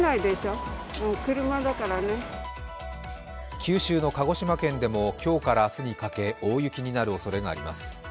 九州の鹿児島県でも今日から明日にかけ大雪になるおそれがあります。